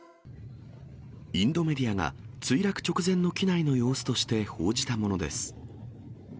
インドメディアが墜落直前の機内の様子として報じたものです。